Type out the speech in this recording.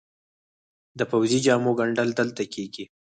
د پوځي جامو ګنډل دلته کیږي؟